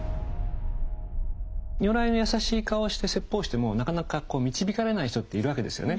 如来の優しい顔をして説法をしてもなかなか導かれない人っているわけですよね。